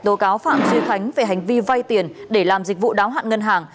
đô cáo phạm duy khánh về hành vi vai tiền để làm dịch vụ đáo hạn ngân hàng